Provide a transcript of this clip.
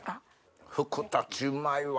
ふくたちうまいわ。